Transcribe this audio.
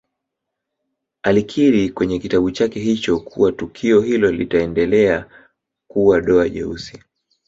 Alikiri kwenye kitabu chake hicho kuwa tukio hilo litaendelea kuwa doa jeusi